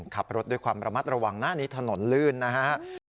ขับรถด้วยความระมัดระวังหน้านี้ถนนลื่นนะครับ